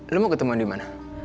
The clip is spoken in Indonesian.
lo mau ketemuan di mana